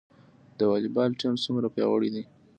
د والیبال ټیم څومره پیاوړی دی؟